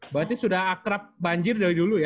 berarti sudah akrab banjir dari dulu ya